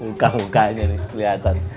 muka mukanya nih kelihatan